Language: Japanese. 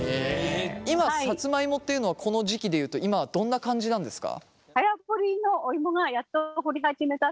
今さつまいもっていうのはこの時期で言うと今はどんな感じなんですか？